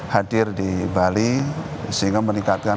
hadir di bali sehingga meningkatkan